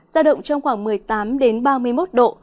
giao động trong khoảng một mươi tám ba mươi một độ